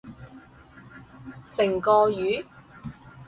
成個月？